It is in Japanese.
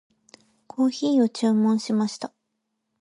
コーヒーを注文しました。